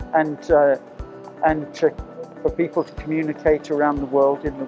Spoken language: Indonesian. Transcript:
karena teknologi untuk menjaga pertemuan yang menggabungkan orang di ruang